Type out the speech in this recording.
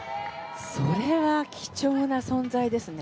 それは貴重な存在ですね。